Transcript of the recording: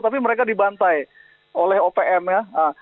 tapi mereka dibantai oleh opm ya